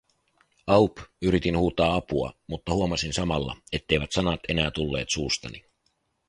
"Aup", yritin huutaa apua, mutta huomasin samalla, etteivät sanat enää tulleet suustani.